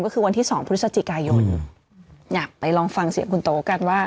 ก็คือวันที่สองพฤศจิกายนอยากไปลองฟังเสียงคุณโตกันว่า